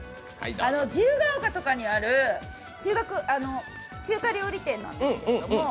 自由が丘とかにある中華料理店なんです。